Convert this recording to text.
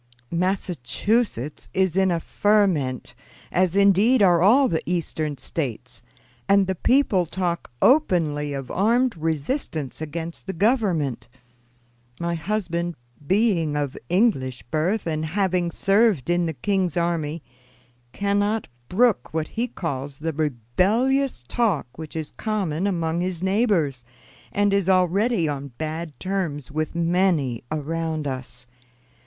"Massachusetts is in a ferment, as indeed are all the Eastern States, and the people talk openly of armed resistance against the Government. My husband, being of English birth and having served in the king's army, cannot brook what he calls the rebellious talk which is common among his neighbors, and is already on bad terms with many around us.